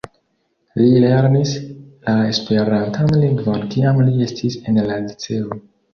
Li lernis la esperantan lingvon kiam li estis en la liceo.